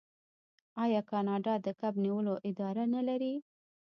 آیا کاناډا د کب نیولو اداره نلري؟